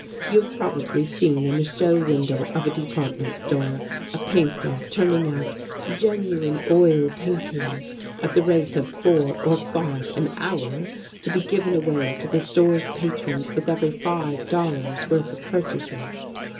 You have probably seen in the show window of a department store, a painter turning out " genuine oil paintings " at the rate of four or five an hour, to be given away to the store's patrons with every five dollars' worth of purchases.